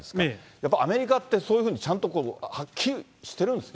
やっぱアメリカって、そういうふうにちゃんと発給してるんですか。